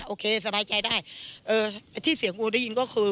โอเคสบายใจได้ที่เสียงโอได้ยินก็คือ